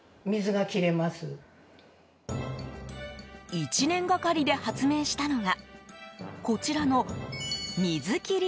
１年がかりで発明したのがこちらの水切り